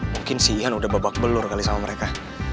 mungkin si ihan udah babak belur kali sama mereka